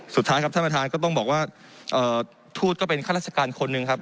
สุดท้ายครับท่านประธานก็ต้องบอกว่าทูตก็เป็นข้าราชการคนหนึ่งครับ